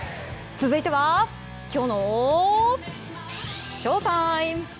続いてはきょうのＳＨＯＴＩＭＥ！